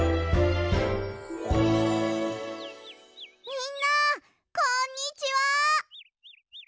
みんなこんにちは！